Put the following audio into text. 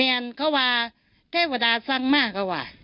แมนเขาบ่าแท้วดาตร์สังมากเราบ่า